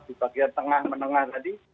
di bagian tengah menengah tadi